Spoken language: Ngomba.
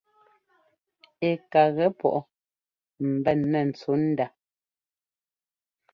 Ɛ ka gɛ pɔʼ mbɛn nɛ́ ntsǔnda.